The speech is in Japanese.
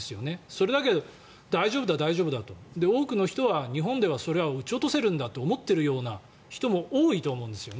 それだけど大丈夫だと多くの人はそれは日本で撃ち落とせるんだと思っているような人も多いと思うんですよ。